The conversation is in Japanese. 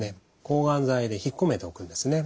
抗がん剤で引っ込めておくんですね。